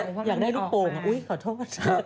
อยากได้ลูกโป่งอุ๊ยขอโทษ